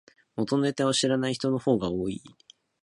元ネタ知らない人の方が多い